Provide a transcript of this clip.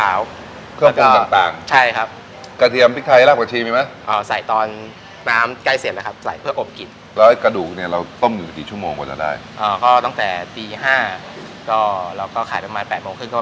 อันนี้เราจะใส่ใช้เป็นขาตั้งครับโขลงไก่แล้วก็หัวไชเท้าครับ